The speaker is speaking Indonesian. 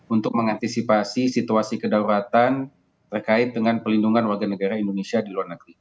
untuk mengantisipasi situasi kedaulatan terkait dengan pelindungan warga negara indonesia di luar negeri